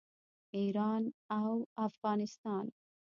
ایران او افغانستان.